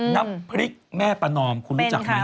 น้ำพริกแม่ประนอมคุณรู้จักไหม